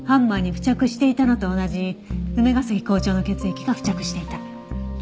ハンマーに付着していたのと同じ梅ヶ崎校長の血液が付着していた。